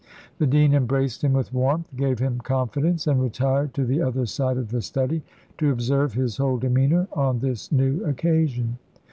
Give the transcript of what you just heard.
The dean embraced him with warmth gave him confidence and retired to the other side of the study, to observe his whole demeanour on this new occasion.